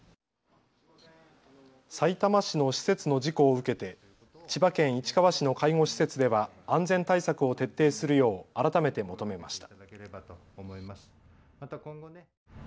さいたま市の施設の事故を受けて千葉県市川市の介護施設では安全対策を徹底するよう改めて求めました。